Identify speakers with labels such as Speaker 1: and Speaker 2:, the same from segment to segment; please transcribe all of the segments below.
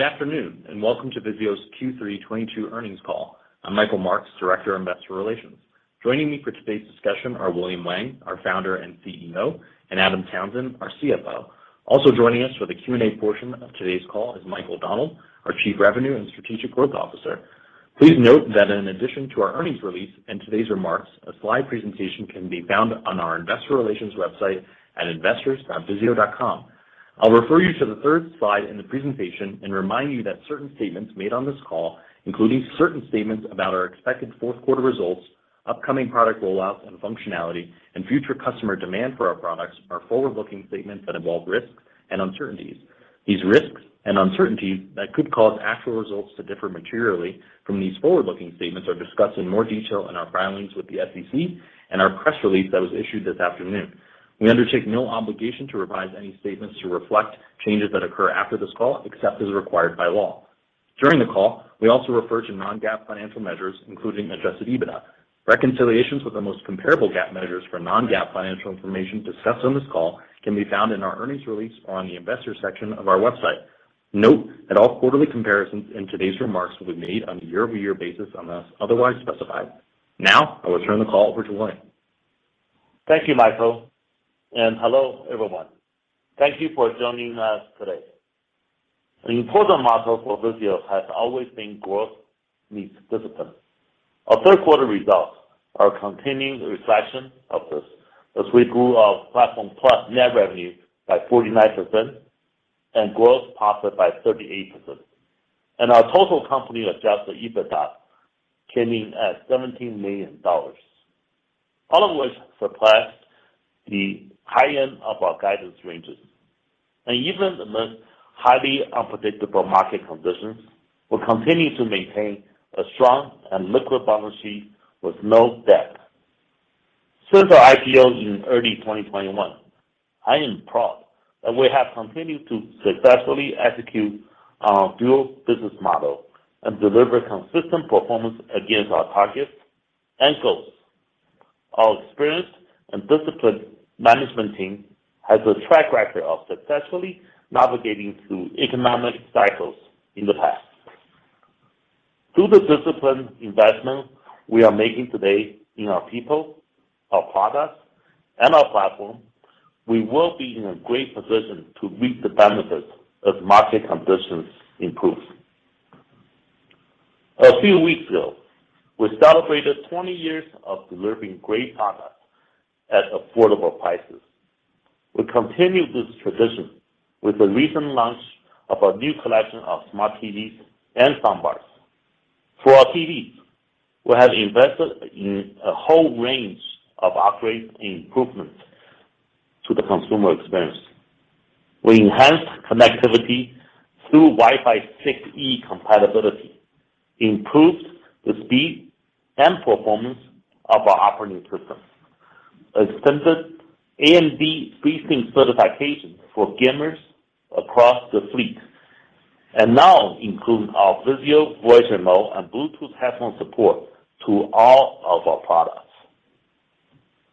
Speaker 1: Good afternoon, and welcome to VIZIO's Q3 2022 Earnings Call. I'm Michael Marks, Director of Investor Relations. Joining me for today's discussion are William Wang, our Founder and CEO, and Adam Townsend, our CFO. Also joining us for the Q&A portion of today's call is Mike O'Donnell, our Chief Revenue and Strategic Growth Officer. Please note that in addition to our earnings release and today's remarks, a slide presentation can be found on our investor relations website at investors.vizio.com. I'll refer you to the third slide in the presentation and remind you that certain statements made on this call, including certain statements about our expected fourth quarter results, upcoming product rollouts and functionality, and future customer demand for our products are forward-looking statements that involve risks and uncertainties. These risks and uncertainties that could cause actual results to differ materially from these forward-looking statements are discussed in more detail in our filings with the SEC and our press release that was issued this afternoon. We undertake no obligation to revise any statements to reflect changes that occur after this call, except as required by law. During the call, we also refer to non-GAAP financial measures, including Adjusted EBITDA. Reconciliations with the most comparable GAAP measures for non-GAAP financial information discussed on this call can be found in our earnings release on the investor section of our website. Note that all quarterly comparisons in today's remarks will be made on a year-over-year basis unless otherwise specified. Now, I'll turn the call over to William.
Speaker 2: Thank you, Michael, and hello everyone. Thank you for joining us today. An important motto for VIZIO has always been growth meets discipline. Our third quarter results are a continuing reflection of this as we grew our Platform Plus net revenue by 49% and gross profit by 38%. Our total company Adjusted EBITDA came in at $17 million, all of which surpassed the high end of our guidance ranges. Even among highly unpredictable market conditions, we're continuing to maintain a strong and liquid balance sheet with no debt. Since our IPO in early 2021, I am proud that we have continued to successfully execute our dual business model and deliver consistent performance against our targets and goals. Our experienced and disciplined management team has a track record of successfully navigating through economic cycles in the past. Through the disciplined investment we are making today in our people, our products, and our platform, we will be in a great position to reap the benefits as market conditions improve. A few weeks ago, we celebrated 20 years of delivering great products at affordable prices. We continue this tradition with the recent launch of our new collection of smart TVs and soundbars. For our TVs, we have invested in a whole range of upgrades and improvements to the consumer experience. We enhanced connectivity through WiFi 6E compatibility, improved the speed and performance of our operating system, extended AMD FreeSync certification for gamers across the fleet, and now include our VIZIO Voice Remote and Bluetooth headphone support to all of our products.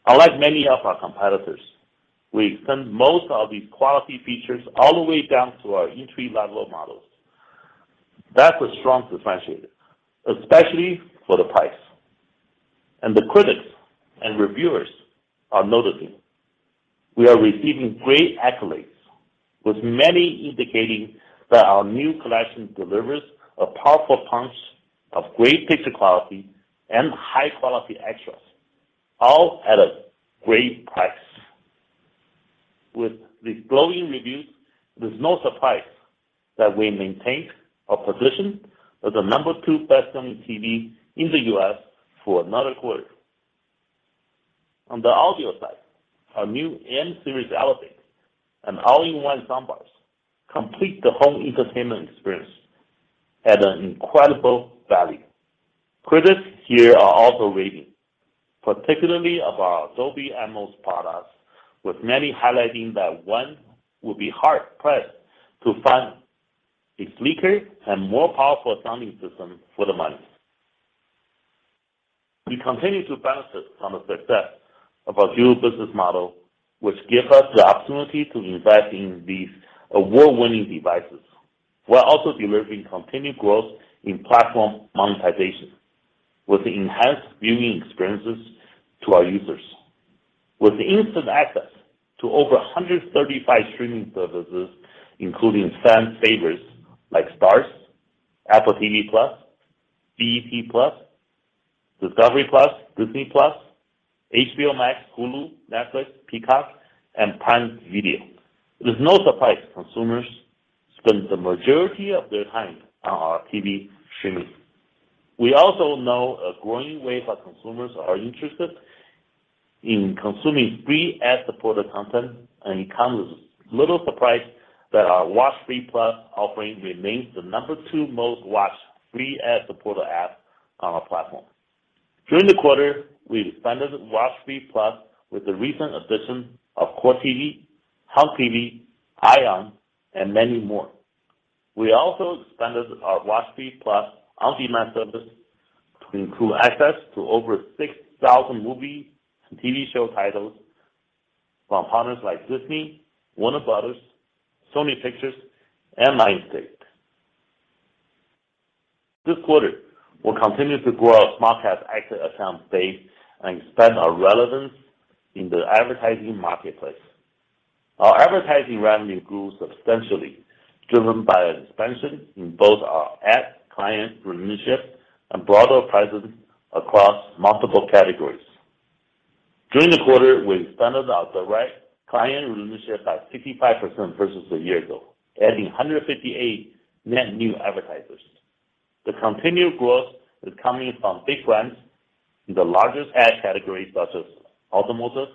Speaker 2: Unlike many of our competitors, we extend most of these quality features all the way down to our entry-level models. That's a strong differentiator, especially for the price. The critics and reviewers are noticing. We are receiving great accolades, with many indicating that our new collection delivers a powerful punch of great picture quality and high-quality extras, all at a great price. With these glowing reviews, there's no surprise that we maintained our position as the number two best-selling TV in the U.S. for another quarter. On the audio side, our new M series Elevate and all-in-one soundbars complete the home entertainment experience at an incredible value. Critics here are also raving, particularly of our Dolby Atmos products, with many highlighting that one will be hard-pressed to find a sleeker and more powerful sounding system for the money. We continue to benefit from the success of our dual business model, which give us the opportunity to invest in these award-winning devices, while also delivering continued growth in platform monetization with enhanced viewing experiences to our users. With instant access to over 135 streaming services, including fan favorites like STARZ, Apple TV+, BET+, Discovery+, Disney+, HBO Max, Hulu, Netflix, Peacock, and Prime Video, it is no surprise consumers spend the majority of their time on our TV streaming. We also know a growing wave of consumers are interested in consuming free ad-supported content, and it comes as little surprise that our WatchFree+ offering remains the number two most watched free ad-supported app on our platform. During the quarter, we expanded WatchFree+ with the recent addition of Core TV, Hub TV, ION, and many more. We also expanded our WatchFree+ on-demand service to include access to over 6,000 movie and TV show titles. From partners like Disney, Warner Bros., Sony Pictures, and Lionsgate. This quarter, we'll continue to grow our SmartCast active account base and expand our relevance in the advertising marketplace. Our advertising revenue grew substantially, driven by an expansion in both our ad client relationships and broader presence across multiple categories. During the quarter, we expanded our direct client relationships by 65% versus a year ago, adding 158 net new advertisers. The continued growth is coming from big brands in the largest ad categories such as automotive,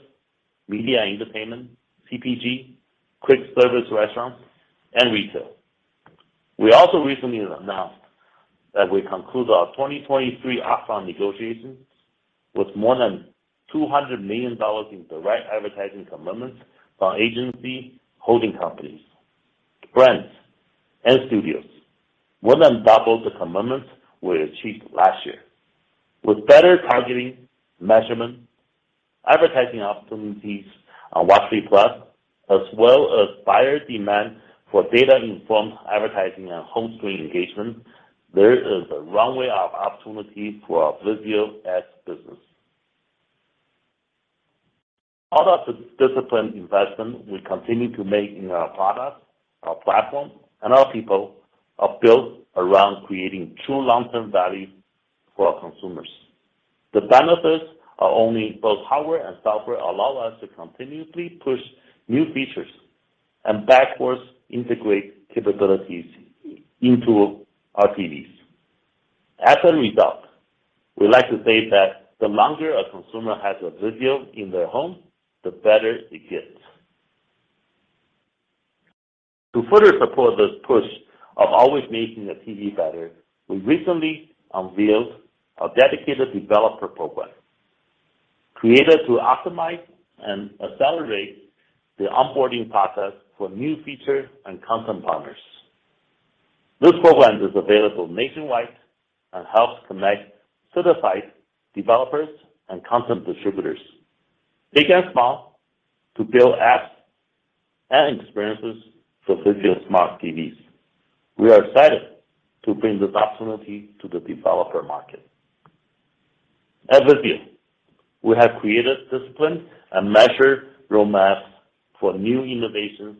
Speaker 2: media and entertainment, CPG, quick service restaurants, and retail. We also recently announced that we concluded our 2023 upfront negotiations with more than $200 million in direct advertising commitments from agency holding companies, brands, and studios, more than double the commitments we achieved last year. With better targeting, measurement, advertising opportunities on WatchFree+ as well as higher demand for data-informed advertising and home screen engagement, there is a runway of opportunity for our VIZIO Ads business. All the disciplined investment we continue to make in our products, our platform, and our people are built around creating true long-term value for our consumers. The benefits of both hardware and software allow us to continuously push new features and backwards integrate capabilities into our TVs. As a result, we like to say that the longer a consumer has a VIZIO in their home, the better it gets. To further support this push of always making a TV better, we recently unveiled our dedicated developer program, created to optimize and accelerate the onboarding process for new feature and content partners. This program is available nationwide and helps connect certified developers and content distributors, big and small, to build apps and experiences for VIZIO Smart TVs. We are excited to bring this opportunity to the developer market. At VIZIO, we have created disciplined and measured road maps for new innovations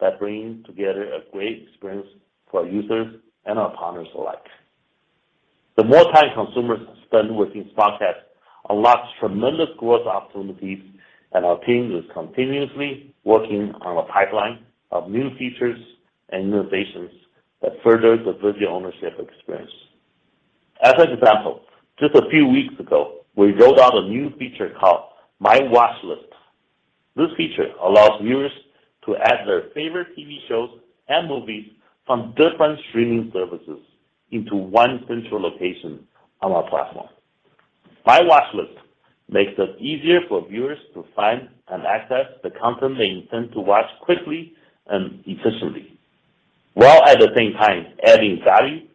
Speaker 2: that bring together a great experience for our users and our partners alike. The more time consumers spend within SmartCast unlocks tremendous growth opportunities, and our team is continuously working on a pipeline of new features and innovations that further the VIZIO ownership experience. As an example, just a few weeks ago, we rolled out a new feature called My Watchlist. This feature allows viewers to add their favorite TV shows and movies from different streaming services into one central location on our platform. My Watchlist makes it easier for viewers to find and access the content they intend to watch quickly and efficiently, while at the same time adding value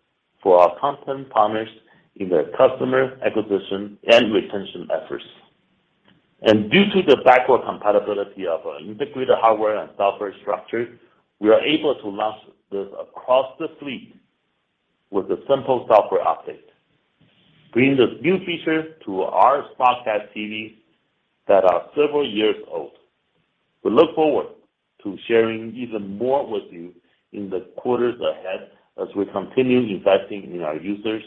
Speaker 2: for our content partners in their customer acquisition and retention efforts. Due to the backward compatibility of our integrated hardware and software structure, we are able to launch this across the fleet with a simple software update, bringing this new feature to our SmartCast TVs that are several years old. We look forward to sharing even more with you in the quarters ahead as we continue investing in our users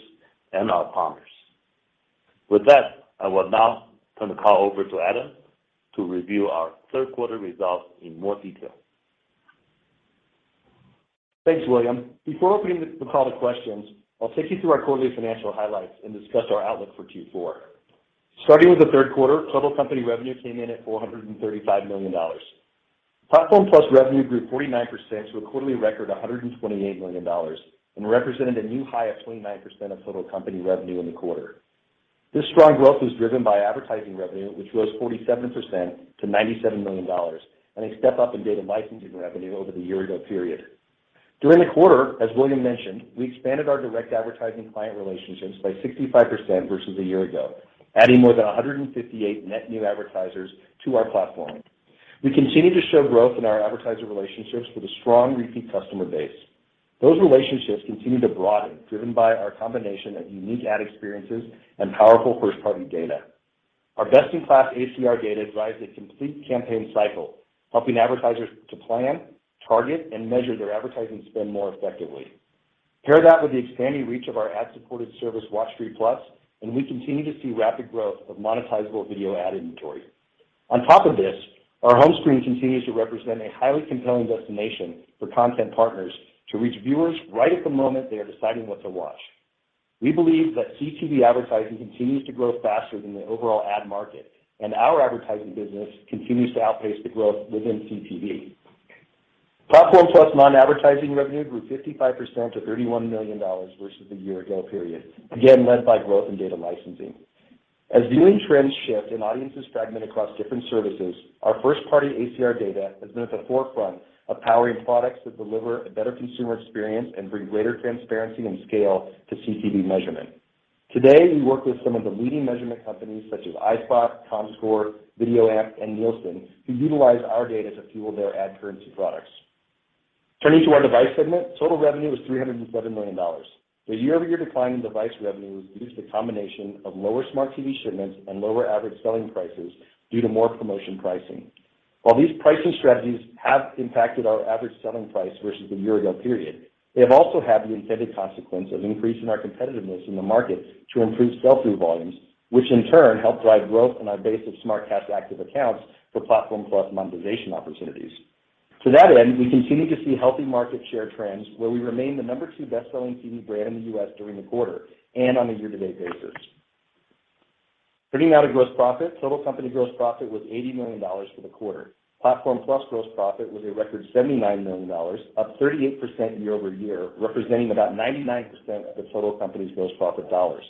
Speaker 2: and our partners. With that, I will now turn the call over to Adam to review our third quarter results in more detail.
Speaker 3: Thanks, William. Before opening the call to questions, I'll take you through our quarterly financial highlights and discuss our outlook for Q4. Starting with the third quarter, total company revenue came in at $435 million. Platform Plus revenue grew 49% to a quarterly record of $128 million and represented a new high of 29% of total company revenue in the quarter. This strong growth was driven by advertising revenue, which rose 47% to $97 million and a step-up in data licensing revenue over the year ago period. During the quarter, as William mentioned, we expanded our direct advertising client relationships by 65% versus a year ago, adding more than 158 net new advertisers to our platform. We continue to show growth in our advertiser relationships with a strong repeat customer base. Those relationships continue to broaden, driven by our combination of unique ad experiences and powerful first-party data. Our best-in-class ACR data drives a complete campaign cycle, helping advertisers to plan, target, and measure their advertising spend more effectively. Pair that with the expanding reach of our ad-supported service, WatchFree+, and we continue to see rapid growth of monetizable video ad inventory. On top of this, our home screen continues to represent a highly compelling destination for content partners to reach viewers right at the moment they are deciding what to watch. We believe that CTV advertising continues to grow faster than the overall ad market, and our advertising business continues to outpace the growth within CTV. Platform Plus non-advertising revenue grew 55% to $31 million versus the year ago period, again led by growth in data licensing. As viewing trends shift and audiences fragment across different services, our first-party ACR data has been at the forefront of powering products that deliver a better consumer experience and bring greater transparency and scale to CTV measurement. Today, we work with some of the leading measurement companies such as iSpot, Comscore, VideoAmp, and Nielsen, who utilize our data to fuel their ad currency products. Turning to our device segment, total revenue was $311 million. The year-over-year decline in device revenue was due to the combination of lower smart TV shipments and lower average selling prices due to more promotion pricing. While these pricing strategies have impacted our average selling price versus the year-ago period, they have also had the intended consequence of increasing our competitiveness in the market to improve sell-through volumes, which in turn help drive growth in our base of SmartCast active accounts for Platform Plus monetization opportunities. To that end, we continue to see healthy market share trends where we remain the number two best-selling TV brand in the U.S. during the quarter and on a year-to-date basis. Turning now to gross profit. Total company gross profit was $80 million for the quarter. Platform Plus gross profit was a record $79 million, up 38% year-over-year, representing about 99% of the total company's gross profit dollars.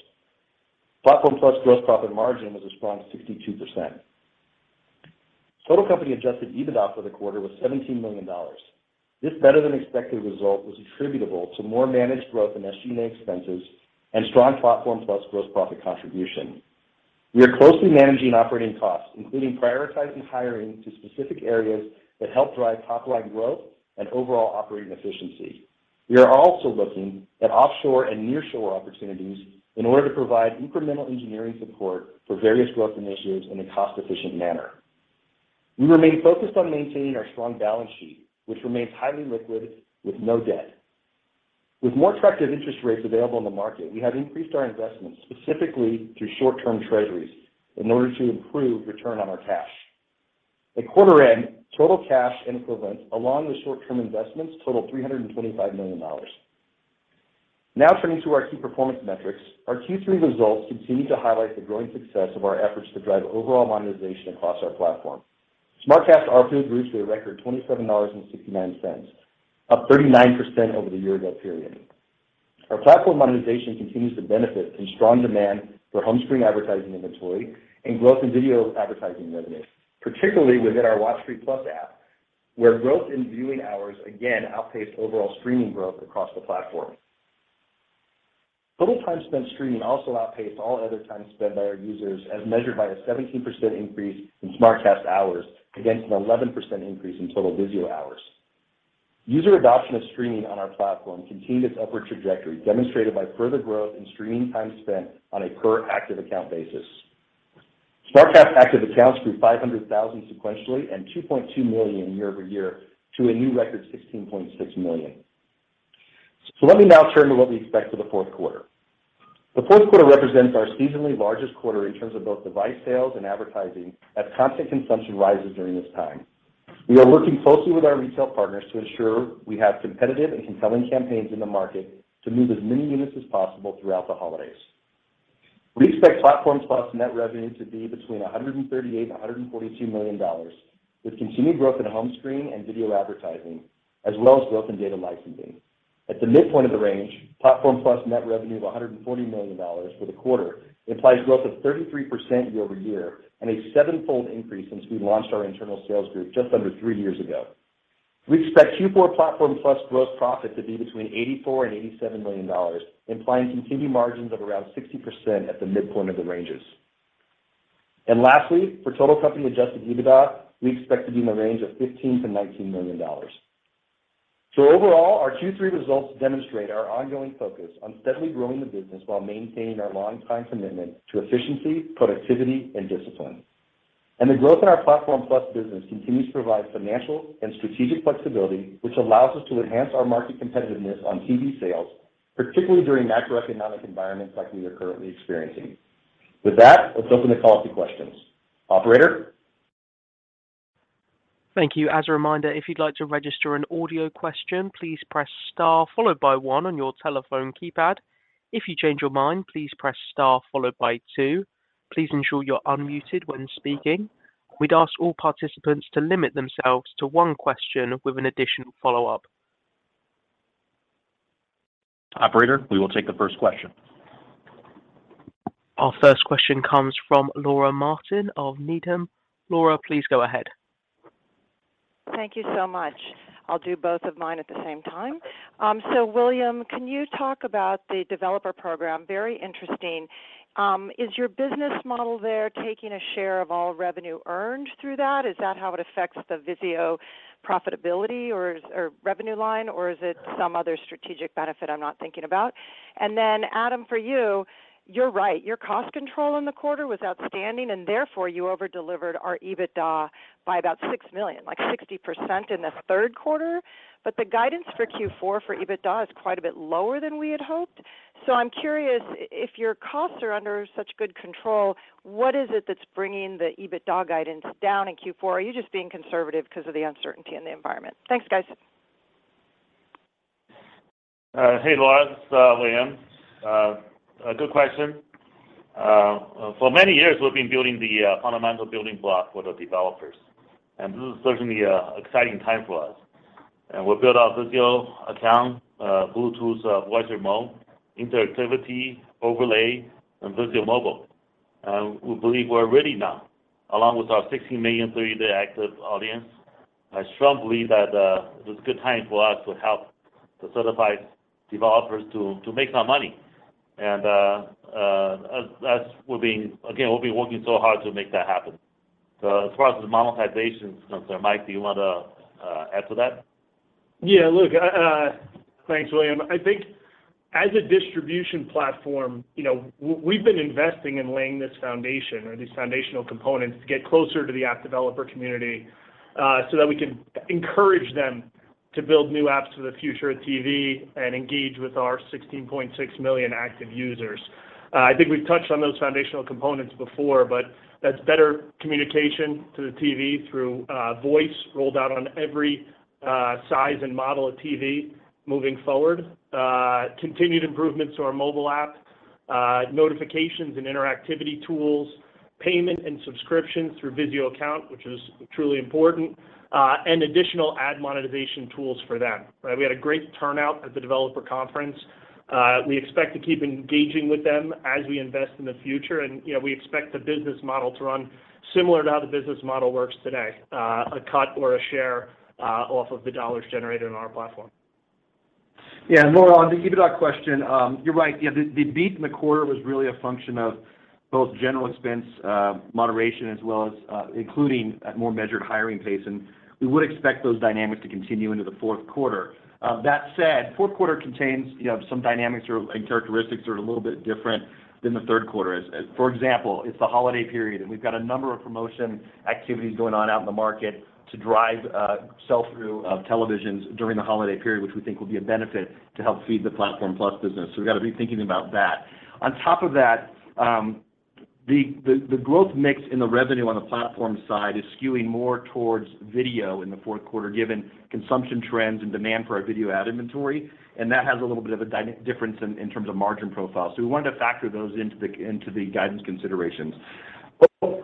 Speaker 3: Platform Plus gross profit margin was a strong 62%. Total company Adjusted EBITDA for the quarter was $17 million. This better than expected result was attributable to more managed growth in SG&A expenses and strong Platform Plus gross profit contribution. We are closely managing operating costs, including prioritizing hiring to specific areas that help drive top-line growth and overall operating efficiency. We are also looking at offshore and nearshore opportunities in order to provide incremental engineering support for various growth initiatives in a cost-efficient manner. We remain focused on maintaining our strong balance sheet, which remains highly liquid with no debt. With more attractive interest rates available in the market, we have increased our investments, specifically through short-term treasuries, in order to improve return on our cash. At quarter end, total cash and equivalents, along with short-term investments, totaled $325 million. Now turning to our key performance metrics. Our Q3 results continue to highlight the growing success of our efforts to drive overall monetization across our platform. SmartCast ARPU reached a record $27.69, up 39% over the year-ago period. Our platform monetization continues to benefit from strong demand for home screen advertising inventory and growth in video advertising revenue, particularly within our WatchFree+ app, where growth in viewing hours again outpaced overall streaming growth across the platform. Total time spent streaming also outpaced all other time spent by our users as measured by a 17% increase in SmartCast hours against an 11% increase in total VIZIO hours. User adoption of streaming on our platform continued its upward trajectory, demonstrated by further growth in streaming time spent on a per active account basis. SmartCast active accounts grew 500,000 sequentially and 2.2 million year-over-year to a new record 16.6 million. Let me now turn to what we expect for the fourth quarter. The fourth quarter represents our seasonally largest quarter in terms of both device sales and advertising as content consumption rises during this time. We are working closely with our retail partners to ensure we have competitive and compelling campaigns in the market to move as many units as possible throughout the holidays. We expect Platform Plus net revenue to be between $138 million and $142 million, with continued growth in home screen and video advertising, as well as growth in data licensing. At the midpoint of the range, Platform Plus net revenue of $140 million for the quarter implies growth of 33% year-over-year and a seven-fold increase since we launched our internal sales group just under three years ago. We expect Q4 Platform Plus gross profit to be between $84 million and $87 million, implying continued margins of around 60% at the midpoint of the ranges. Lastly, for total company Adjusted EBITDA, we expect to be in the range of $15 million-$19 million. Overall, our Q3 results demonstrate our ongoing focus on steadily growing the business while maintaining our long-time commitment to efficiency, productivity, and discipline. The growth in our Platform Plus business continues to provide financial and strategic flexibility, which allows us to enhance our market competitiveness on TV sales, particularly during macroeconomic environments like we are currently experiencing. With that, let's open the call to questions. Operator?
Speaker 4: Thank you. As a reminder, if you'd like to register an audio question, please press star followed by one on your telephone keypad. If you change your mind, please press star followed by two. Please ensure you're unmuted when speaking. We'd ask all participants to limit themselves to one question with an additional follow-up.
Speaker 2: Operator, we will take the first question.
Speaker 4: Our first question comes from Laura Martin of Needham. Laura, please go ahead.
Speaker 5: Thank you so much. I'll do both of mine at the same time. So William, can you talk about the developer program? Very interesting. Is your business model there taking a share of all revenue earned through that? Is that how it affects the VIZIO profitability or is or revenue line, or is it some other strategic benefit I'm not thinking about? Adam, for you're right. Your cost control in the quarter was outstanding, and therefore, you over-delivered our EBITDA by about $6 million, like 60% in the third quarter. The guidance for Q4 for EBITDA is quite a bit lower than we had hoped. I'm curious, if your costs are under such good control, what is it that's bringing the EBITDA guidance down in Q4? Are you just being conservative because of the uncertainty in the environment? Thanks, guys.
Speaker 2: Hey, Laura. This is William. A good question. For many years, we've been building the fundamental building block for the developers, and this is certainly an exciting time for us. We built our VIZIO Account, Bluetooth voice remote, interactivity, overlay, and VIZIO Mobile. We believe we're ready now, along with our 16 million thirty-day active audience. I strongly believe that it is a good time for us to help the certified developers to make some money. Again, we'll be working so hard to make that happen. As far as the monetization is concerned, Mike, do you wanna add to that?
Speaker 6: Yeah. Look, thanks, William. I think as a distribution platform, you know, we've been investing in laying this foundation or these foundational components to get closer to the app developer community, so that we can encourage them to build new apps for the future of TV and engage with our 16.6 million active users. I think we've touched on those foundational components before, but that's better communication to the TV through voice rolled out on every size and model of TV moving forward, continued improvements to our mobile app, notifications and interactivity tools, payment and subscription through VIZIO Account, which is truly important, and additional ad monetization tools for them, right? We had a great turnout at the developer conference. We expect to keep engaging with them as we invest in the future. You know, we expect the business model to run similar to how the business model works today, a cut or a share off of the dollars generated on our platform.
Speaker 3: Yeah. Laura, on the EBITDA question, you're right. You know, the beat in the quarter was really a function of both general expense moderation as well as including a more measured hiring pace. We would expect those dynamics to continue into the fourth quarter. That said, fourth quarter contains, you know, some dynamics and characteristics that are a little bit different than the third quarter. For example, it's the holiday period, and we've got a number of promotion activities going on out in the market to drive sell-through of televisions during the holiday period, which we think will be a benefit to help feed the Platform Plus business. We've got to be thinking about that. On top of that, the growth mix in the revenue on the platform side is skewing more towards video in the fourth quarter, given consumption trends and demand for our video ad inventory. That has a little bit of a difference in terms of margin profile. We wanted to factor those into the guidance considerations.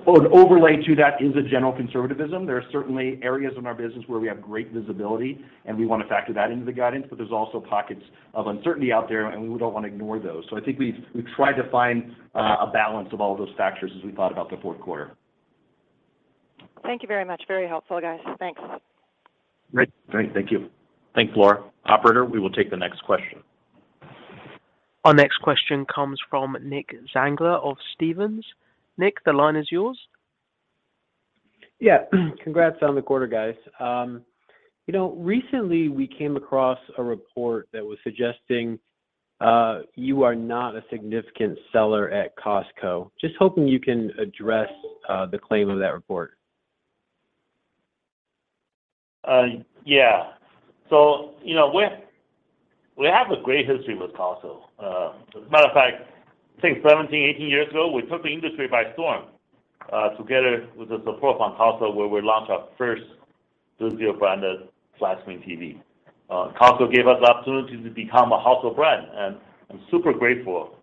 Speaker 3: Overlay to that is a general conservatism. There are certainly areas in our business where we have great visibility, and we wanna factor that into the guidance, but there's also pockets of uncertainty out there, and we don't wanna ignore those. I think we've tried to find a balance of all those factors as we thought about the fourth quarter.
Speaker 5: Thank you very much. Very helpful, guys. Thanks.
Speaker 2: Great. Thank you.
Speaker 3: Thanks, Laura. Operator, we will take the next question.
Speaker 4: Our next question comes from Nick Zangler of Stephens. Nick, the line is yours.
Speaker 7: Yeah. Congrats on the quarter, guys. You know, recently, we came across a report that was suggesting you are not a significant seller at Costco. Just hoping you can address the claim of that report.
Speaker 2: Yeah. You know, we have a great history with Costco. Matter of fact, I think 17, 18 years ago, we took the industry by storm, together with the support from Costco, where we launched our first VIZIO-branded flat-screen TV. Costco gave us the opportunity to become a household brand, and I'm super grateful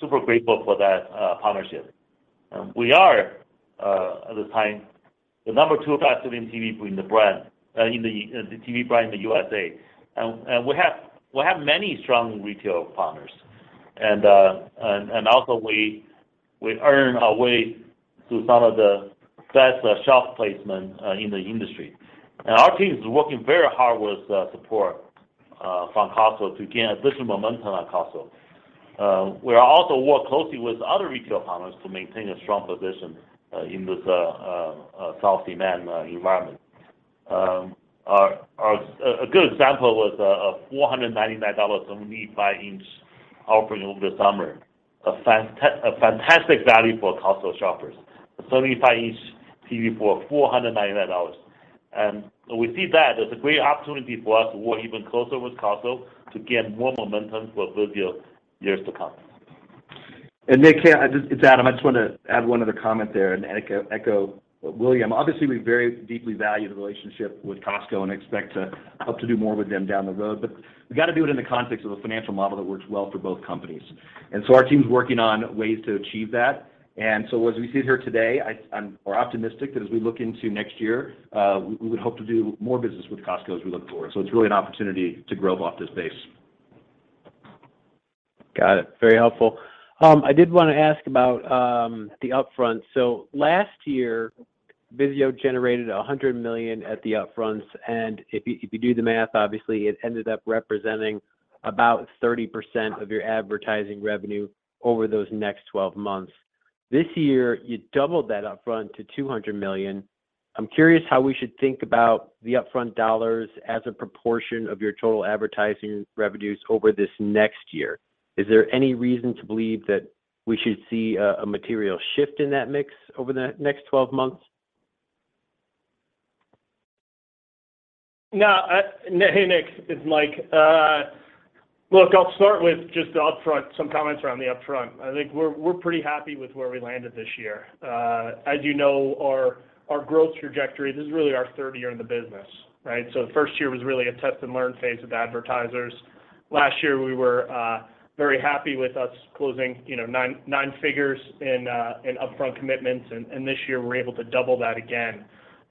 Speaker 2: for that partnership. We are, at the time, the number two flat-screen TV brand in the TV brand in the USA. We have many strong retail partners. Also we earn our way to some of the best shelf placement in the industry. Our team is working very hard with the support from Costco to gain additional momentum at Costco. We are also work closely with other retail partners to maintain a strong position in this challenging environment. A good example was a $499 75-inch offering over the summer. A fantastic value for Costco shoppers. A 75-inch TV for $499. We see that as a great opportunity for us to work even closer with Costco to gain more momentum for VIZIO years to come.
Speaker 3: Nick, yeah, It's Adam. I just wanted to add one other comment there and echo William. Obviously, we very deeply value the relationship with Costco and expect to hope to do more with them down the road. We got to do it in the context of a financial model that works well for both companies. Our team's working on ways to achieve that. As we sit here today, we're optimistic that as we look into next year, we would hope to do more business with Costco as we look forward. It's really an opportunity to grow off this base.
Speaker 7: Got it. Very helpful. I did want to ask about the upfront. Last year, VIZIO generated $100 million at the upfronts, and if you do the math, obviously it ended up representing about 30% of your advertising revenue over those next twelve months. This year, you doubled that upfront to $200 million. I'm curious how we should think about the upfront dollars as a proportion of your total advertising revenues over this next year. Is there any reason to believe that we should see a material shift in that mix over the next twelve months?
Speaker 6: Nick, it's Mike. Look, I'll start with just the upfront, some comments around the upfront. I think we're pretty happy with where we landed this year. As you know, our growth trajectory, this is really our third year in the business, right? The first year was really a test and learn phase with advertisers. Last year, we were very happy with closing, you know, nine figures in upfront commitments. This year, we're able to double that again.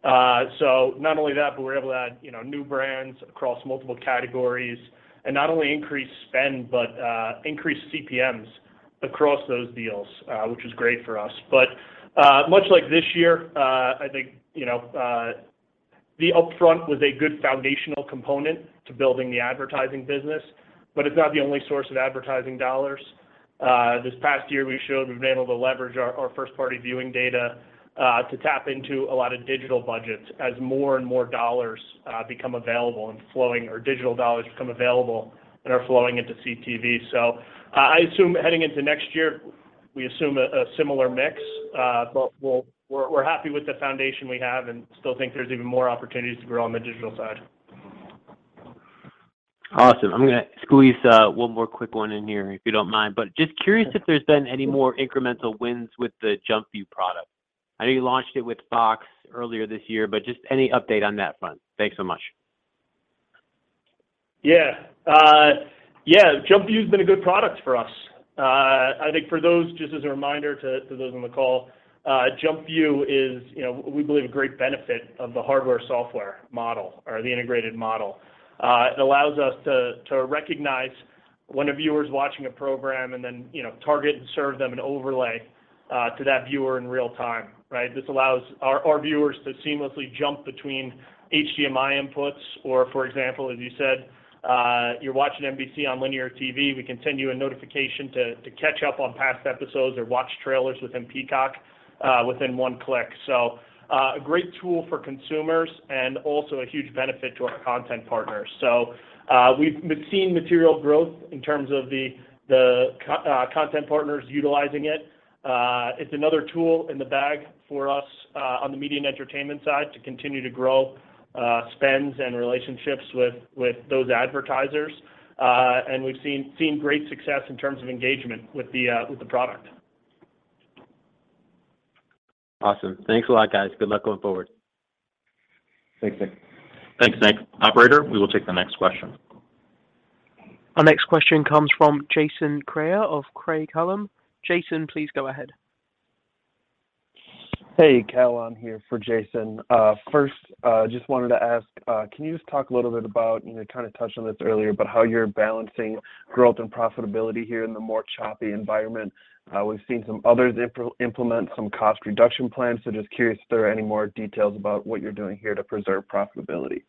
Speaker 6: Not only that, but we're able to add, you know, new brands across multiple categories, and not only increase spend, but increase CPMs across those deals, which is great for us. Much like this year, I think, you know, the upfront was a good foundational component to building the advertising business, but it's not the only source of advertising dollars. This past year we showed we've been able to leverage our first-party viewing data to tap into a lot of digital budgets as more and more dollars become available, or digital dollars become available and are flowing into CTV. I assume heading into next year, we assume a similar mix, but we'llWe're happy with the foundation we have and still think there's even more opportunities to grow on the digital side.
Speaker 7: Awesome. I'm gonna squeeze one more quick one in here, if you don't mind. Just curious if there's been any more incremental wins with the Jump View product. I know you launched it with Fox earlier this year, but just any update on that front. Thanks so much.
Speaker 3: Jump View's been a good product for us. I think for those, just as a reminder to those on the call, Jump View is, you know, we believe a great benefit of the hardware-software model or the integrated model. It allows us to recognize when a viewer's watching a program and then, you know, target and serve them an overlay to that viewer in real time, right? This allows our viewers to seamlessly jump between HDMI inputs, or for example, as you said, you're watching NBC on linear TV, we can send you a notification to catch up on past episodes or watch trailers within Peacock within one click. So, a great tool for consumers and also a huge benefit to our content partners. We've been seeing material growth in terms of the content partners utilizing it. It's another tool in the bag for us on the media and entertainment side to continue to grow spends and relationships with those advertisers. We've seen great success in terms of engagement with the product.
Speaker 7: Awesome. Thanks a lot, guys. Good luck going forward.
Speaker 3: Thanks, Nick.
Speaker 1: Thanks, Nick. Operator, we will take the next question.
Speaker 4: Our next question comes from Jason Kreyer of Craig-Hallum. Jason, please go ahead.
Speaker 8: Hey, Cal, I'm here for Jason. First, just wanted to ask, can you just talk a little bit about, you know, kind of touched on this earlier, but how you're balancing growth and profitability here in the more choppy environment? We've seen some others implement some cost reduction plans, so just curious if there are any more details about what you're doing here to preserve profitability.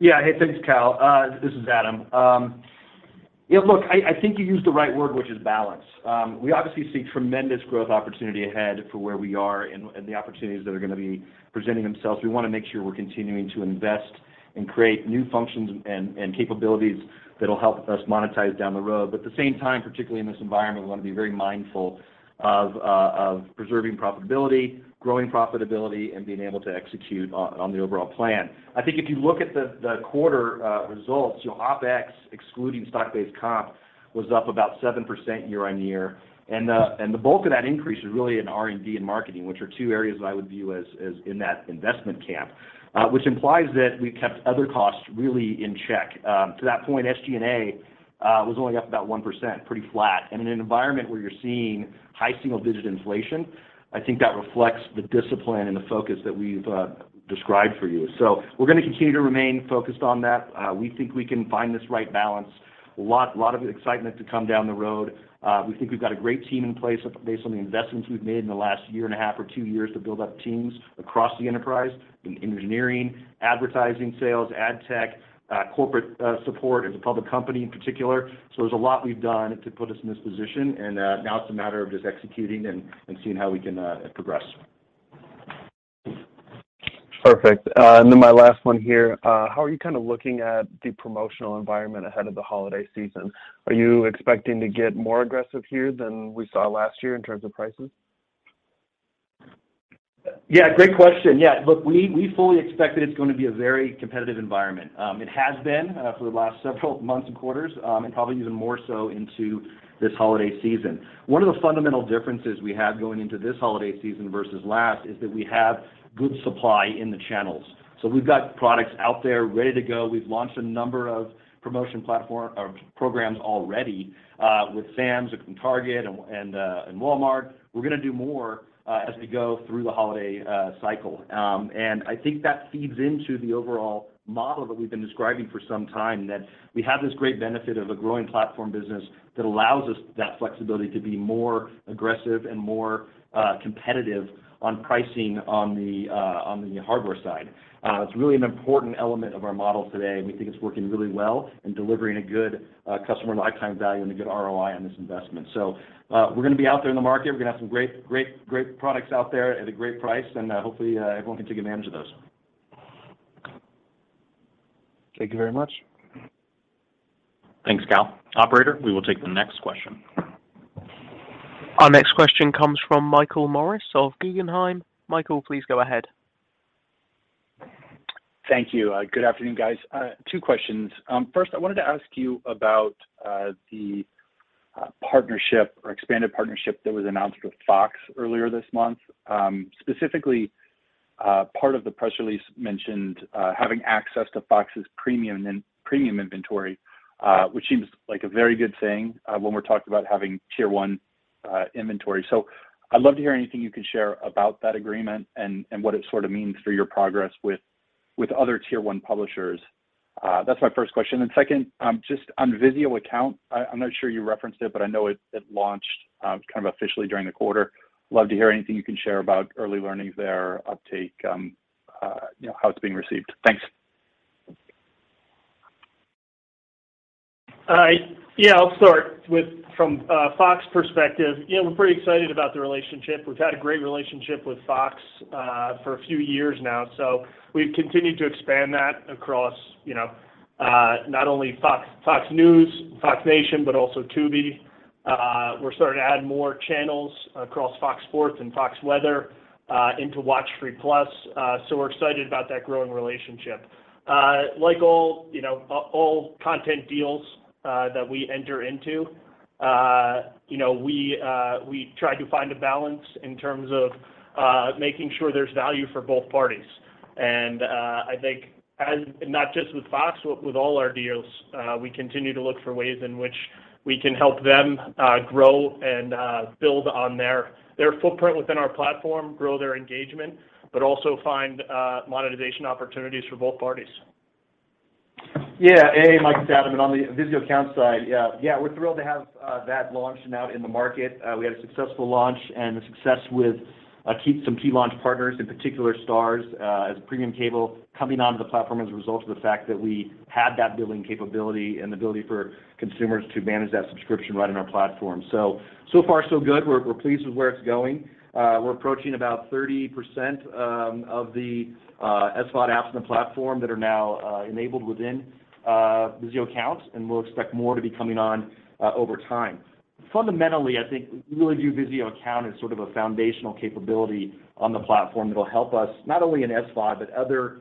Speaker 3: Yeah. Hey, thanks, Cal. This is Adam. Yeah, look, I think you used the right word, which is balance. We obviously see tremendous growth opportunity ahead for where we are and the opportunities that are gonna be presenting themselves. We wanna make sure we're continuing to invest and create new functions and capabilities that'll help us monetize down the road. But at the same time, particularly in this environment, we wanna be very mindful of preserving profitability, growing profitability, and being able to execute on the overall plan. I think if you look at the quarter results, OPEX excluding stock-based comp was up about 7% year-over-year. The bulk of that increase is really in R&D and marketing, which are two areas that I would view as in that investment camp which implies that we've kept other costs really in check. To that point, SG&A was only up about 1%, pretty flat. In an environment where you're seeing high single-digit inflation, I think that reflects the discipline and the focus that we've described for you. We're gonna continue to remain focused on that. We think we can find this right balance. A lot of excitement to come down the road. We think we've got a great team in place based on the investments we've made in the last year and a half or two years to build up teams across the enterprise in engineering, advertising, sales, ad tech, corporate support as a public company in particular. There's a lot we've done to put us in this position and now it's a matter of just executing and seeing how we can progress.
Speaker 8: Perfect. My last one here. How are you kind of looking at the promotional environment ahead of the holiday season? Are you expecting to get more aggressive here than we saw last year in terms of prices?
Speaker 3: Yeah, great question. Yeah, look, we fully expect that it's going to be a very competitive environment. It has been for the last several months and quarters, and probably even more so into this holiday season. One of the fundamental differences we have going into this holiday season versus last is that we have good supply in the channels. We've got products out there ready to go. We've launched a number of promotion platform or programs already with Sam's and Target and Walmart. We're gonna do more as we go through the holiday cycle. I think that feeds into the overall model that we've been describing for some time, that we have this great benefit of a growing platform business that allows us that flexibility to be more aggressive and more competitive on pricing on the hardware side. It's really an important element of our model today, and we think it's working really well and delivering a good customer lifetime value and a good ROI on this investment. We're gonna be out there in the market. We're gonna have some great products out there at a great price, and hopefully everyone can take advantage of those.
Speaker 8: Thank you very much.
Speaker 3: Thanks, Cal. Operator, we will take the next question.
Speaker 4: Our next question comes from Michael Morris of Guggenheim. Michael, please go ahead.
Speaker 9: Thank you. Good afternoon, guys. Two questions. First, I wanted to ask you about the partnership or expanded partnership that was announced with Fox earlier this month. Specifically, part of the press release mentioned having access to Fox's premium in-premium inventory, which seems like a very good thing when we're talking about having tier one inventory. I'd love to hear anything you can share about that agreement and what it sort of means for your progress with other tier one publishers. That's my first question. Second, just on VIZIO Account, I'm not sure you referenced it, but I know it launched kind of officially during the quarter. Love to hear anything you can share about early learnings there, uptake, you know, how it's being received. Thanks.
Speaker 6: Yeah, I'll start with Fox perspective. You know, we're pretty excited about the relationship. We've had a great relationship with Fox for a few years now. We've continued to expand that across, you know, not only Fox News, Fox Nation, but also Tubi. We're starting to add more channels across Fox Sports and Fox Weather into WatchFree+. We're excited about that growing relationship. Like all, you know, all content deals that we enter into, you know, we try to find a balance in terms of making sure there's value for both parties. I think not just with Fox, with all our deals, we continue to look for ways in which we can help them grow and build on their footprint within our platform, grow their engagement, but also find monetization opportunities for both parties.
Speaker 3: Yeah. Hey, Mike on the VIZIO Account side. Yeah, we're thrilled to have that launching out in the market. We had a successful launch and the success with some key launch partners, in particular STARZ, as a premium cable coming onto the platform as a result of the fact that we had that billing capability and the ability for consumers to manage that subscription right in our platform. So far so good. We're pleased with where it's going. We're approaching about 30% of the SVOD apps on the platform that are now enabled within VIZIO Accounts, and we'll expect more to be coming on over time. Fundamentally, I think we really view VIZIO Account as sort of a foundational capability on the platform that'll help us, not only in SVOD, but other,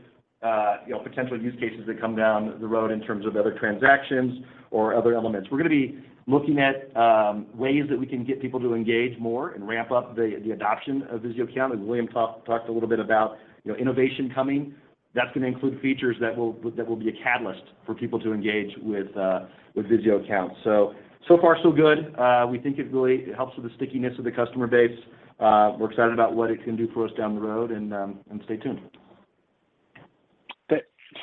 Speaker 3: you know, potential use cases that come down the road in terms of other transactions or other elements. We're gonna be looking at ways that we can get people to engage more and ramp up the adoption of VIZIO Account. As William talked a little bit about, you know, innovation coming, that's gonna include features that will be a catalyst for people to engage with VIZIO Accounts. So far so good. We think it really helps with the stickiness of the customer base. We're excited about what it can do for us down the road and stay tuned.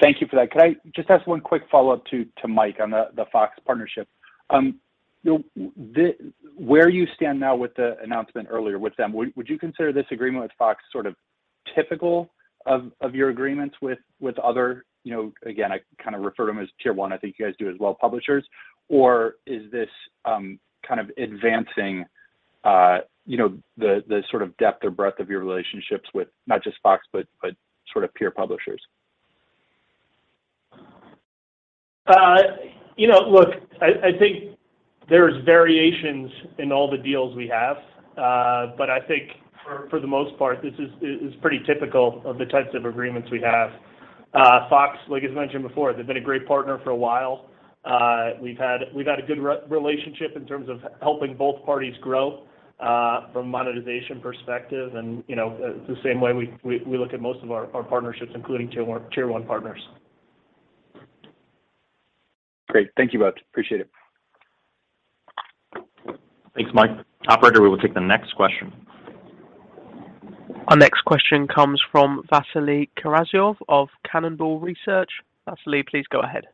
Speaker 9: Thank you for that. Could I just ask one quick follow-up to Mike on the Fox partnership? Where you stand now with the announcement earlier with them, would you consider this agreement with Fox sort of typical of your agreements with other, you know, again, I kind of refer to them as tier one, I think you guys do as well, publishers? Or is this kind of advancing, you know, the sort of depth or breadth of your relationships with not just Fox, but sort of peer publishers?
Speaker 6: You know, look, I think there's variations in all the deals we have. I think for the most part, this is pretty typical of the types of agreements we have. Fox, like as mentioned before, they've been a great partner for a while. We've had a good relationship in terms of helping both parties grow, from a monetization perspective and, you know, the same way we look at most of our partnerships, including tier one partners.
Speaker 9: Great. Thank you both. Appreciate it.
Speaker 1: Thanks, Mike. Operator, we will take the next question.
Speaker 4: Our next question comes from Vasily Karasyov of Cannonball Research. Vasily, please go ahead.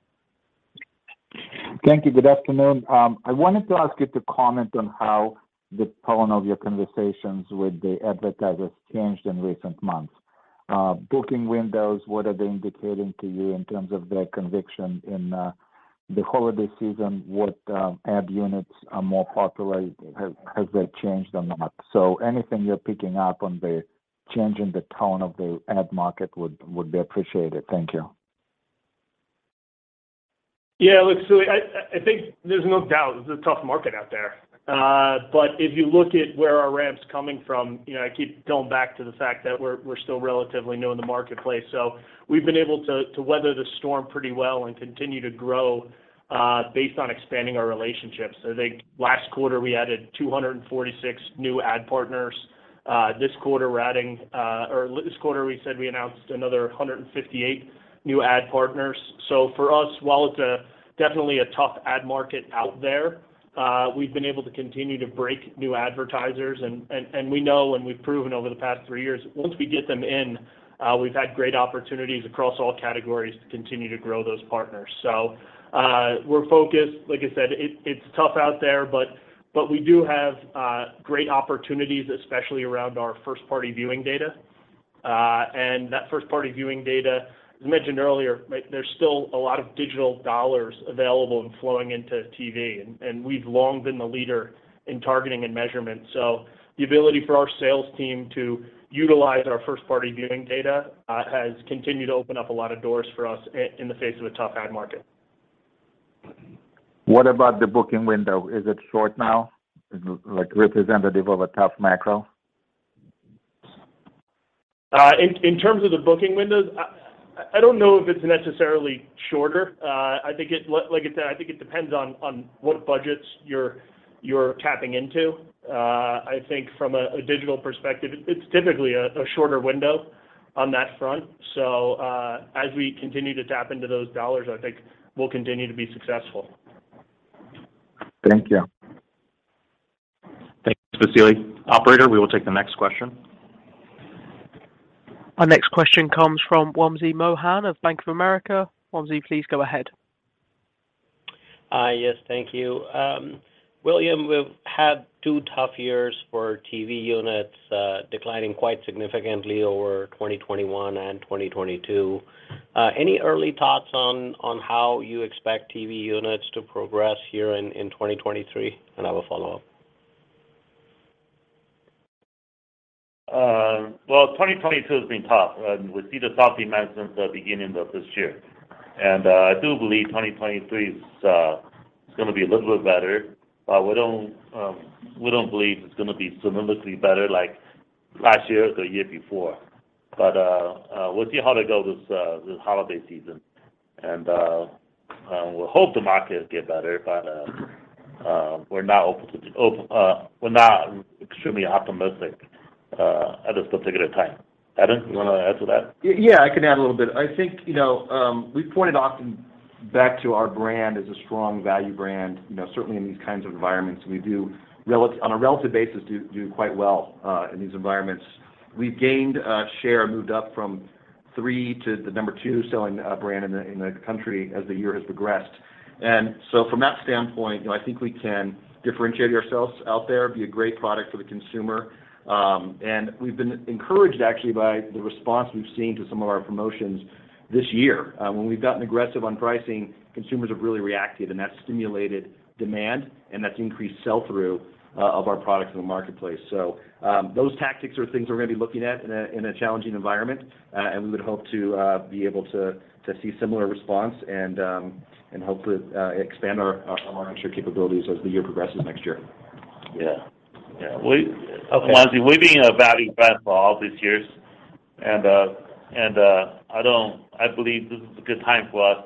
Speaker 10: Thank you. Good afternoon. I wanted to ask you to comment on how the tone of your conversations with the advertisers changed in recent months. Booking windows, what are they indicating to you in terms of their conviction in the holiday season? What ad units are more popular? Have they changed or not? Anything you're picking up on the change in the tone of the ad market would be appreciated. Thank you.
Speaker 6: Yeah, look, I think there's no doubt it's a tough market out there. If you look at where our ramp's coming from, you know, I keep going back to the fact that we're still relatively new in the marketplace. We've been able to weather the storm pretty well and continue to grow based on expanding our relationships. I think last quarter, we added 246 new ad partners. This quarter, we said we announced another 158 new ad partners. For us, while it's definitely a tough ad market out there, we've been able to continue to break new advertisers. We know and we've proven over the past three years, once we get them in, we've had great opportunities across all categories to continue to grow those partners. We're focused. Like I said, it's tough out there, but we do have great opportunities, especially around our first-party viewing data. That first-party viewing data, as mentioned earlier, like there's still a lot of digital dollars available and flowing into TV, and we've long been the leader in targeting and measurement. The ability for our sales team to utilize our first-party viewing data has continued to open up a lot of doors for us in the face of a tough ad market.
Speaker 10: What about the booking window? Is it short now, like representative of a tough macro?
Speaker 6: In terms of the booking windows.
Speaker 3: I don't know if it's necessarily shorter. I think, like I said, it depends on what budgets you're tapping into. I think from a digital perspective, it's typically a shorter window on that front. As we continue to tap into those dollars, I think we'll continue to be successful.
Speaker 10: Thank you.
Speaker 1: Thanks, Vasily. Operator, we will take the next question.
Speaker 4: Our next question comes from Wamsi Mohan of Bank of America. Wamsi, please go ahead.
Speaker 11: Yes. Thank you. William, we've had two tough years for TV units, declining quite significantly over 2021 and 2022. Any early thoughts on how you expect TV units to progress here in 2023? I have a follow-up.
Speaker 2: Well, 2022 has been tough, and we see the tough demands since the beginning of this year. I do believe 2023 is gonna be a little bit better. We don't believe it's gonna be significantly better like last year or the year before. We'll see how they go this holiday season. We hope the market get better, but we're not extremely optimistic at this particular time. Adam, you wanna add to that?
Speaker 3: Yeah, I can add a little bit. I think, you know, we pointed often back to our brand as a strong value brand. You know, certainly in these kinds of environments, we do, on a relative basis, quite well in these environments. We've gained share, moved up from three to the number two selling brand in the country as the year has progressed. From that standpoint, you know, I think we can differentiate ourselves out there, be a great product for the consumer. And we've been encouraged actually by the response we've seen to some of our promotions this year. When we've gotten aggressive on pricing, consumers have really reacted, and that's stimulated demand, and that's increased sell-through of our products in the marketplace. Those tactics are things we're gonna be looking at in a challenging environment. We would hope to be able to see similar response and hopefully expand our market share capabilities as the year progresses next year.
Speaker 2: Yeah.
Speaker 3: Vamsi-
Speaker 2: Wamsi, we've been a value brand for all these years, and I believe this is a good time for us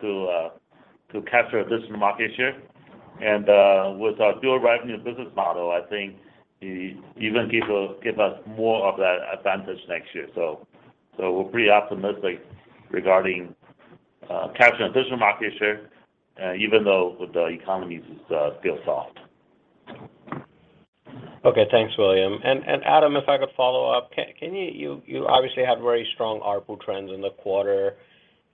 Speaker 2: to capture additional market share. With our dual revenue business model, I think it even give us more of that advantage next year. We're pretty optimistic regarding capturing additional market share, even though the economy is still soft.
Speaker 11: Okay. Thanks, William. Adam, if I could follow up. You obviously had very strong ARPU trends in the quarter.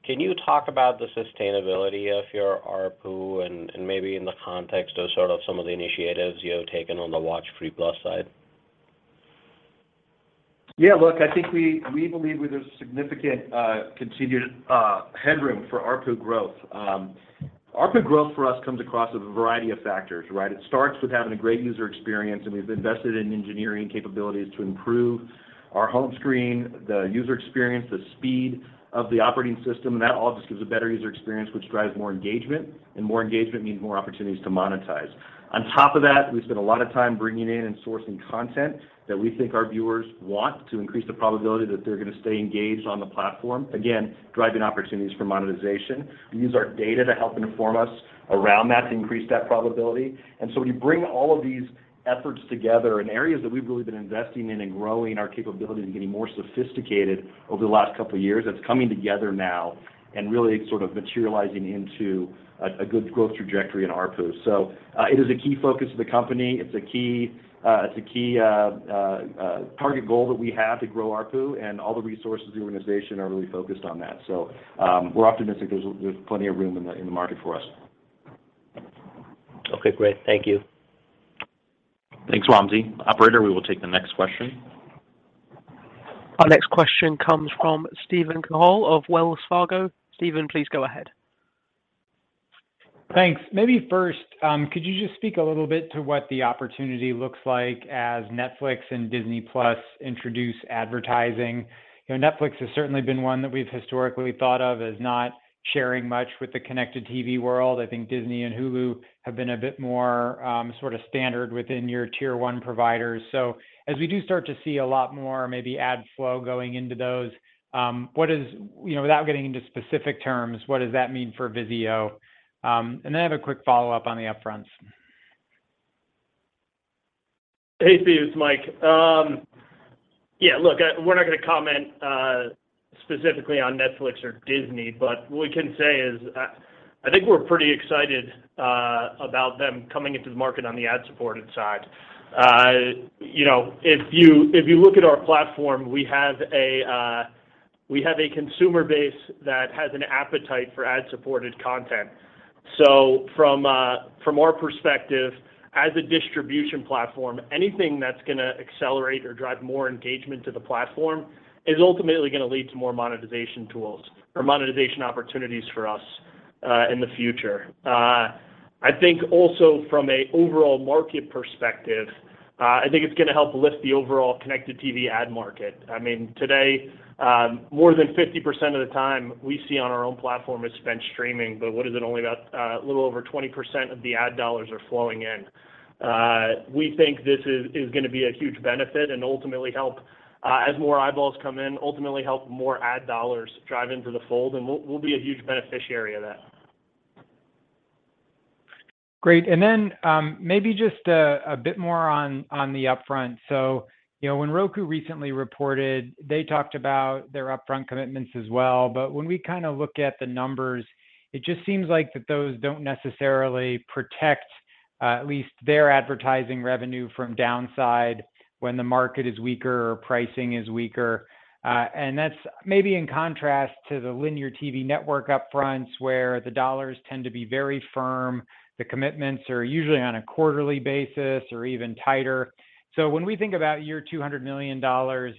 Speaker 11: Can you talk about the sustainability of your ARPU, and maybe in the context of sort of some of the initiatives you have taken on the WatchFree+ side?
Speaker 3: Yeah. Look, I think we believe there's significant continued headroom for ARPU growth. ARPU growth for us comes across a variety of factors, right? It starts with having a great user experience, and we've invested in engineering capabilities to improve our home screen, the user experience, the speed of the operating system, and that all just gives a better user experience, which drives more engagement. More engagement means more opportunities to monetize. On top of that, we spend a lot of time bringing in and sourcing content that we think our viewers want to increase the probability that they're gonna stay engaged on the platform, again, driving opportunities for monetization. We use our data to help inform us around that to increase that probability. When you bring all of these efforts together in areas that we've really been investing in and growing our capabilities and getting more sophisticated over the last couple years, that's coming together now and really sort of materializing into a good growth trajectory in ARPU. It is a key focus of the company. It's a key target goal that we have to grow ARPU, and all the resources of the organization are really focused on that. We're optimistic there's plenty of room in the market for us.
Speaker 11: Okay. Great. Thank you.
Speaker 1: Thanks, Wamsi. Operator, we will take the next question.
Speaker 4: Our next question comes from Steven Cahall of Wells Fargo. Steven, please go ahead.
Speaker 12: Thanks. Maybe first, could you just speak a little bit to what the opportunity looks like as Netflix and Disney+ introduce advertising? You know, Netflix has certainly been one that we've historically thought of as not sharing much with the connected TV world. I think Disney and Hulu have been a bit more, sort of standard within your tier one providers. As we do start to see a lot more maybe ad flow going into those, you know, without getting into specific terms, what does that mean for VIZIO? And then I have a quick follow-up on the upfronts.
Speaker 6: Hey, Steve. It's Mike. Yeah. Look, we're not gonna comment specifically on Netflix or Disney, but what we can say is, I think we're pretty excited about them coming into the market on the ad-supported side. You know, if you look at our platform, we have a consumer base that has an appetite for ad-supported content. So from our perspective as a distribution platform, anything that's gonna accelerate or drive more engagement to the platform is ultimately gonna lead to more monetization tools or monetization opportunities for us in the future. I think also from a overall market perspective, I think it's gonna help lift the overall connected TV ad market. I mean, today, more than 50% of the time we see on our own platform is spent streaming, but what is it? Only about a little over 20% of the ad dollars are flowing in. We think this is gonna be a huge benefit and ultimately help as more eyeballs come in, ultimately help more ad dollars drive into the fold. We'll be a huge beneficiary of that.
Speaker 12: Great. Maybe just a bit more on the upfront. You know, when Roku recently reported, they talked about their upfront commitments as well. When we kind of look at the numbers, it just seems like those don't necessarily protect at least their advertising revenue from downside when the market is weaker or pricing is weaker. That's maybe in contrast to the linear TV network upfronts where the dollars tend to be very firm, the commitments are usually on a quarterly basis or even tighter. When we think about your $200 million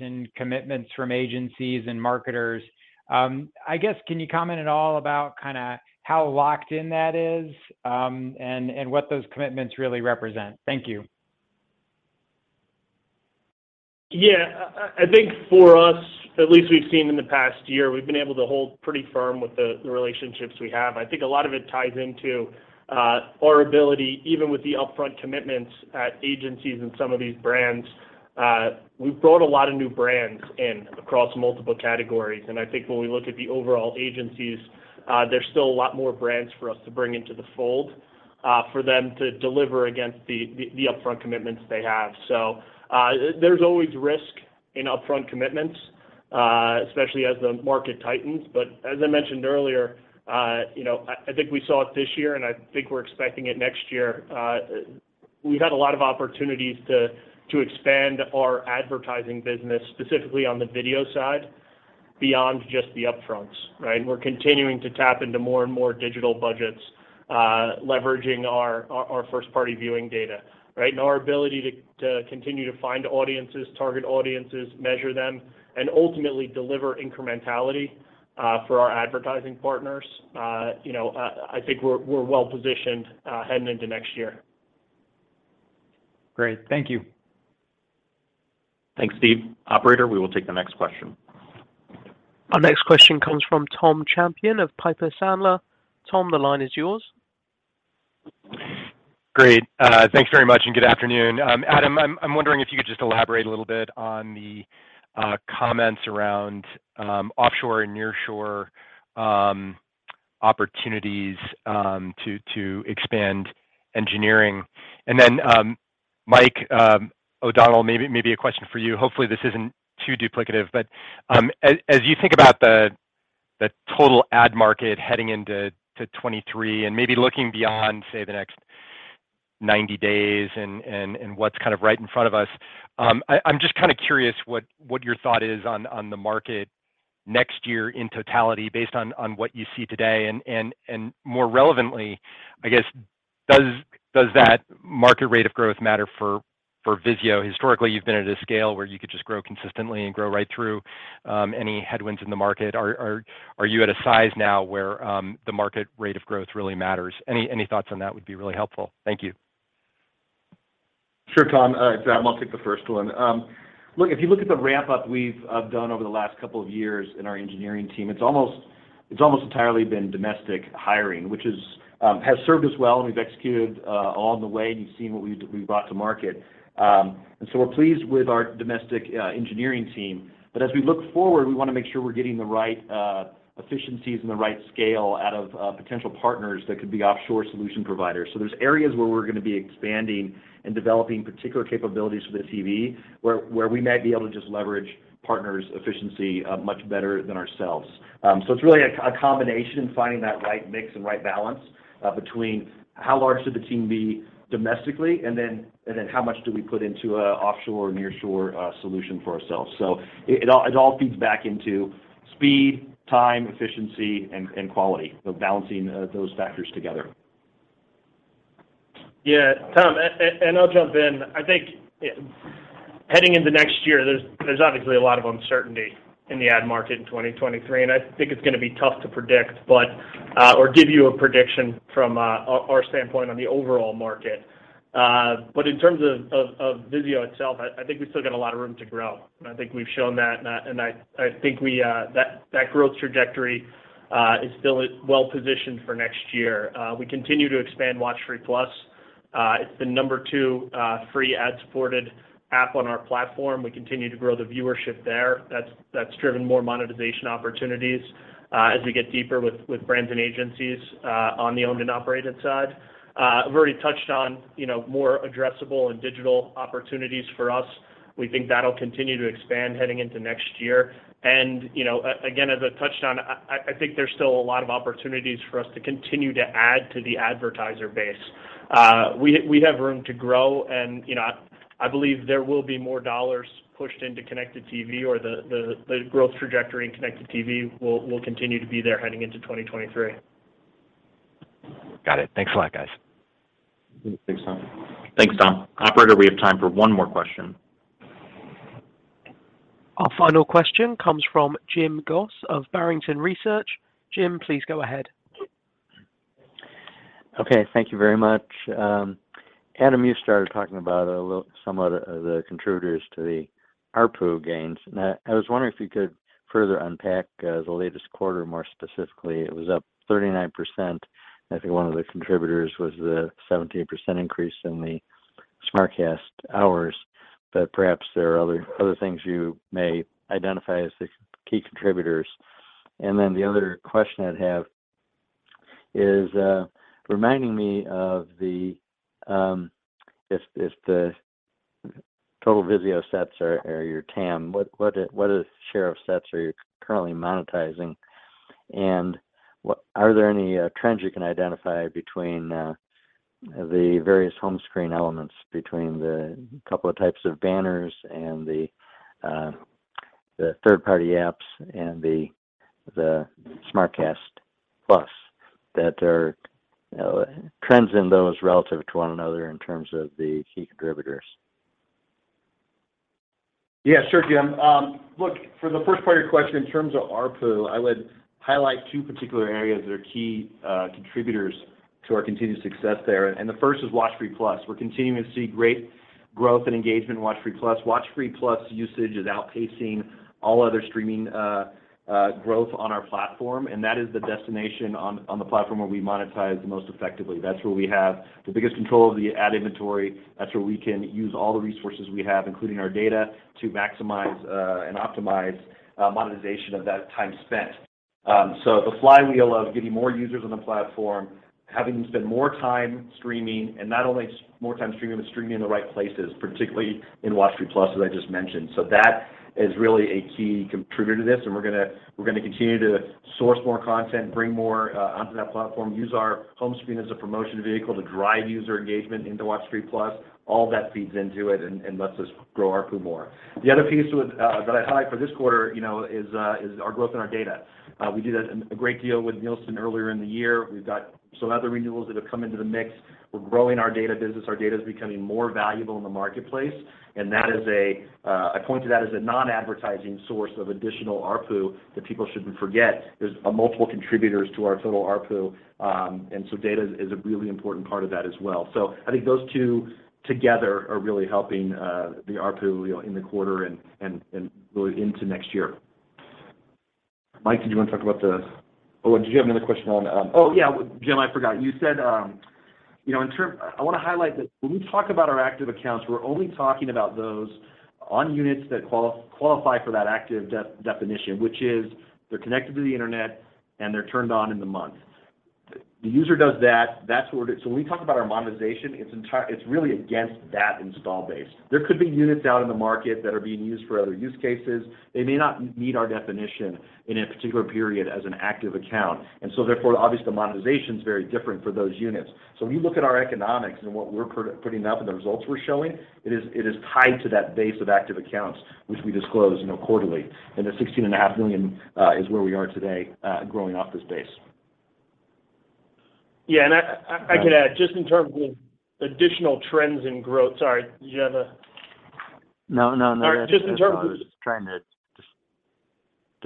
Speaker 12: in commitments from agencies and marketers, I guess, can you comment at all about kind of how locked in that is, and what those commitments really represent? Thank you.
Speaker 3: Yeah. I think for us, at least we've seen in the past year, we've been able to hold pretty firm with the relationships we have. I think a lot of it ties into our ability, even with the upfront commitments at agencies and some of these brands, we've brought a lot of new brands in across multiple categories. I think when we look at the overall agencies, there's still a lot more brands for us to bring into the fold, for them to deliver against the upfront commitments they have. There's always risk in upfront commitments, especially as the market tightens. As I mentioned earlier, you know, I think we saw it this year, and I think we're expecting it next year. We've had a lot of opportunities to expand our advertising business, specifically on the video side, beyond just the upfronts, right? We're continuing to tap into more and more digital budgets, leveraging our first-party viewing data, right? Our ability to continue to find audiences, target audiences, measure them, and ultimately deliver incrementality for our advertising partners, you know, I think we're well-positioned heading into next year.
Speaker 12: Great. Thank you.
Speaker 1: Thanks, Steve. Operator, we will take the next question.
Speaker 4: Our next question comes from Tom Champion of Piper Sandler. Tom, the line is yours.
Speaker 13: Great. Thanks very much, and good afternoon. Adam, I'm wondering if you could just elaborate a little bit on the comments around offshore and nearshore opportunities to expand engineering. Then, Mike O'Donnell, maybe a question for you. Hopefully, this isn't too duplicative. As you think about the total ad market heading into 2023 and maybe looking beyond, say, the next 90 days and what's kind of right in front of us, I'm just kind of curious what your thought is on the market next year in totality based on what you see today. More relevantly, I guess, does that market rate of growth matter for VIZIO? Historically, you've been at a scale where you could just grow consistently and grow right through, any headwinds in the market. Are you at a size now where, the market rate of growth really matters? Any thoughts on that would be really helpful. Thank you.
Speaker 3: Sure, Tom. It's Adam. I'll take the first one. Look, if you look at the ramp-up we've done over the last couple of years in our engineering team, it's almost entirely been domestic hiring, which has served us well, and we've executed along the way. You've seen what we've brought to market. We're pleased with our domestic engineering team. As we look forward, we wanna make sure we're getting the right efficiencies and the right scale out of potential partners that could be offshore solution providers. There's areas where we're gonna be expanding and developing particular capabilities for the TV, where we might be able to just leverage partners' efficiency much better than ourselves. It's really a combination in finding that right mix and right balance between how large should the team be domestically, and then how much do we put into a offshore or nearshore solution for ourselves. It all feeds back into speed, time, efficiency, and quality. Balancing those factors together.
Speaker 6: Yeah. Tom, and I'll jump in. I think heading into next year, there's obviously a lot of uncertainty in the ad market in 2023, and I think it's gonna be tough to predict, but or give you a prediction from our standpoint on the overall market. In terms of VIZIO itself, I think we still got a lot of room to grow, and I think we've shown that. I think that growth trajectory is well-positioned for next year. We continue to expand WatchFree+. It's the number two free ad-supported app on our platform. We continue to grow the viewership there. That's driven more monetization opportunities as we get deeper with brands and agencies on the owned and operated side. I've already touched on, you know, more addressable and digital opportunities for us. We think that'll continue to expand heading into next year. You know, again, as I touched on, I think there's still a lot of opportunities for us to continue to add to the advertiser base. We have room to grow and, you know, I believe there will be more dollars pushed into connected TV or the growth trajectory in connected TV will continue to be there heading into 2023.
Speaker 13: Got it. Thanks a lot, guys.
Speaker 3: Thanks, Tom.
Speaker 1: Thanks, Tom. Operator, we have time for one more question.
Speaker 4: Our final question comes from Jim Goss of Barrington Research. Jim, please go ahead.
Speaker 14: Okay. Thank you very much. Adam, you started talking about some of the contributors to the ARPU gains. I was wondering if you could further unpack the latest quarter more specifically. It was up 39%. I think one of the contributors was the 17% increase in the SmartCast hours. Perhaps there are other things you may identify as the key contributors. The other question I'd have is reminding me of the total VIZIO sets or your TAM, what share of sets are you currently monetizing? Are there any trends you can identify between the various home screen elements between the couple of types of banners and the third-party apps and the SmartCast plus that are, you know, trends in those relative to one another in terms of the key contributors?
Speaker 3: Yeah, sure, Jim. Look, for the first part of your question, in terms of ARPU, I would highlight two particular areas that are key contributors to our continued success there, and the first is WatchFree+. We're continuing to see great growth and engagement in WatchFree+. WatchFree+ usage is outpacing all other streaming growth on our platform, and that is the destination on the platform where we monetize the most effectively. That's where we have the biggest control of the ad inventory. That's where we can use all the resources we have, including our data, to maximize and optimize monetization of that time spent. The flywheel of getting more users on the platform, having them spend more time streaming, and not only more time streaming, but streaming in the right places, particularly in WatchFree+ as I just mentioned. That is really a key contributor to this, and we're gonna continue to source more content, bring more onto that platform, use our home screen as a promotion vehicle to drive user engagement into WatchFree+. All that feeds into it and lets us grow ARPU more. The other piece that I'd highlight for this quarter, you know, is our growth in our data. We did a great deal with Nielsen earlier in the year. We've got some other renewals that have come into the mix. We're growing our data business. Our data is becoming more valuable in the marketplace, and that is a I point to that as a non-advertising source of additional ARPU that people shouldn't forget. There's multiple contributors to our total ARPU, and so data is a really important part of that as well. I think those two together are really helping the ARPU, you know, in the quarter and really into next year. Mike, did you want to talk about the. Oh, did you have another question on. Oh, yeah, Jim, I forgot. You said, I wanna highlight that when we talk about our active accounts, we're only talking about those on units that qualify for that active definition, which is they're connected to the internet, and they're turned on in the month. The user does that's where it. When we talk about our monetization, it's really against that install base. There could be units out in the market that are being used for other use cases. They may not meet our definition in a particular period as an active account. Therefore, obviously, the monetization's very different for those units. When you look at our economics and what we're putting out and the results we're showing, it is tied to that base of active accounts, which we disclose, you know, quarterly. The 16.5 million is where we are today, growing off this base.
Speaker 6: Yeah, I could add just in terms of additional trends in growth. Sorry, did you have a...
Speaker 14: No, no.
Speaker 6: All right. Just in terms of.
Speaker 14: I was trying to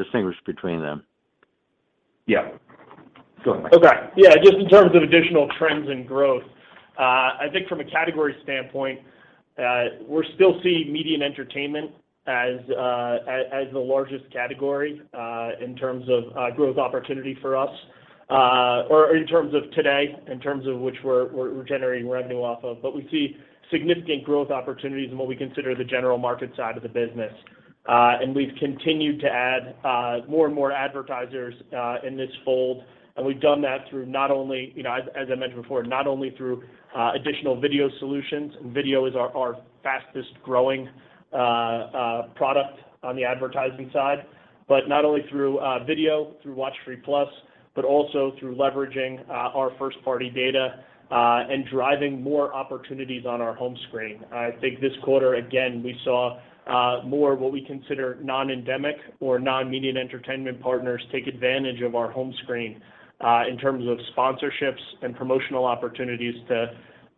Speaker 14: distinguish between them.
Speaker 3: Yeah. Go ahead, Mike.
Speaker 6: Okay. Yeah, just in terms of additional trends in growth, I think from a category standpoint, we're still seeing media and entertainment as the largest category in terms of growth opportunity for us. Or in terms of today, in terms of which we're generating revenue off of. We see significant growth opportunities in what we consider the general market side of the business. We've continued to add more and more advertisers in this fold. We've done that through not only, you know, as I mentioned before, not only through additional video solutions. Video is our fastest growing product on the advertising side. Not only through video, through WatchFree+, but also through leveraging our first party data and driving more opportunities on our home screen. I think this quarter, again, we saw more what we consider non-endemic or non-media and entertainment partners take advantage of our home screen in terms of sponsorships and promotional opportunities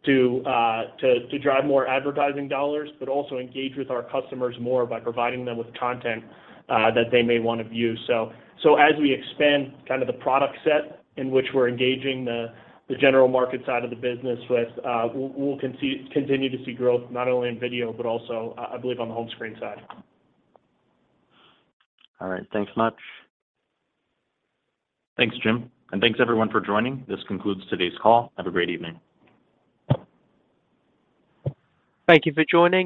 Speaker 6: to drive more advertising dollars, but also engage with our customers more by providing them with content that they may wanna view. As we expand kind of the product set in which we're engaging the general market side of the business with, we'll continue to see growth not only in video, but also I believe on the home screen side.
Speaker 14: All right. Thanks much.
Speaker 1: Thanks, Jim, and thanks everyone for joining. This concludes today's call. Have a great evening.
Speaker 4: Thank you for joining.